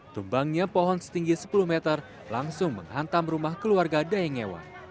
tumbangnya pohon setinggi sepuluh meter langsung menghantam rumah keluarga dayenggewa